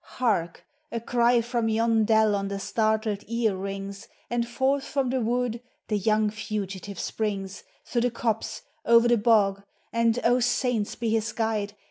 Hark! a cry from yon dell on the startled ear rings, And forth from the wood the young fugitive springs, Through the copse, o'er the bog, and oh, saints be his guide